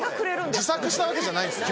自作したわけじゃないですよね？